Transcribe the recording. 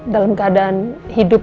dalam keadaan hidup